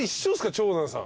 長男さん。